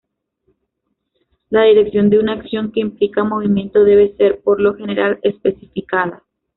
La dirección de una acción que implica movimiento debe ser, por lo general, especificada.